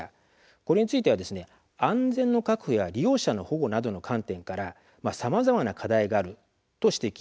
これについては安全の確保や利用者の保護の観点からさまざまな課題があると指摘。